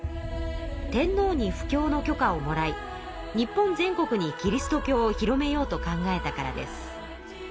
天皇に布教の許可をもらい日本全国にキリスト教を広めようと考えたからです。